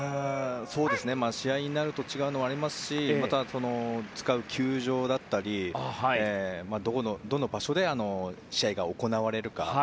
試合になると違うのはありますしまた、使う球場だったりどの場所で試合が行われるか。